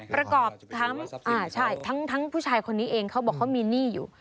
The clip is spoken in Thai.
ประกอบทั้งผู้ชายคนนี้เองเขาบอกเขามีหนี้อยู่